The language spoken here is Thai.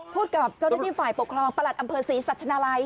พูดกับเจ้าด้านิ่มฝ่ายปกครองประหลัดอำเภอศรีสัตว์ชนาไร